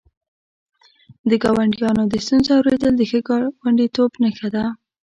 د ګاونډیانو د ستونزو اورېدل د ښه ګاونډیتوب نښه ده.